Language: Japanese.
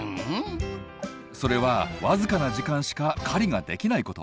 それは僅かな時間しか狩りができないこと。